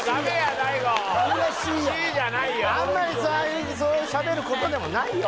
大悟何がシーやあんまりさそうしゃべることでもないよ